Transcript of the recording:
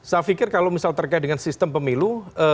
saya pikir kalau misal terkait dengan sistem pemilu